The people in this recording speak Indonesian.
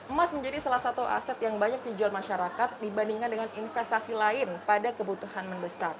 emas menjadi salah satu aset yang banyak dijual masyarakat dibandingkan dengan investasi lain pada kebutuhan mendesak